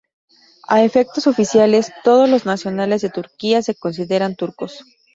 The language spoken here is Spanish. A efectos oficiales, todos los nacionales de Turquía se consideran turcos.